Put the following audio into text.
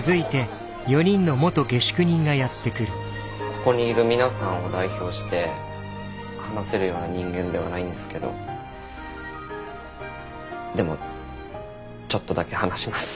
ここにいる皆さんを代表して話せるような人間ではないんですけどでもちょっとだけ話します。